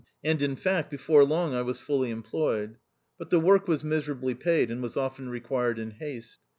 And, in fact, before long I was fully employed. But the work was miserably paid, and was often required in haste.